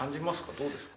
どうですか。